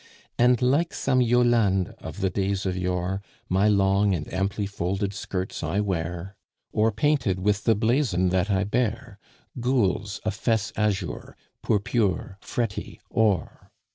And, like some Yolande of the days of yore, My long and amply folded skirts I wear, O'er painted with the blazon that I bear Gules, a fess azure; purpure, fretty, or.